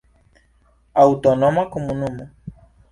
Aŭtonoma Komunumo.